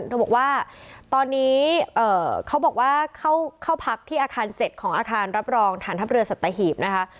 เธอบอกว่าตอนนี้เขาบอกว่าเข้าพักที่อาคาร๗ของอาคารรับรองฐานทัพเรือสัตหีบนะคะ